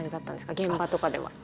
現場とかでは。